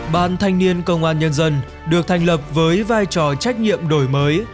ban thanh niên công an nhân dân được thành lập với vai trò trách nhiệm đổi mới